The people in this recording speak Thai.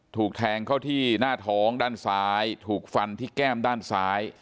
ถูกแทงเข้าที่หน้าท้องด้านซ้ายถูกฟันที่แก้มด้านซ้าย